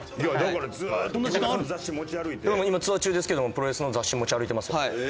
今ツアー中ですけどもプロレスの雑誌持ち歩いてますよ。